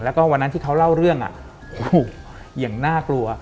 แล้วก็วันนั้นที่เขาเล่าเรื่องอย่างน่ากลัว